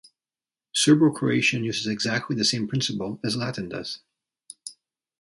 Serbo-Croatian uses exactly the same principle as Latin does.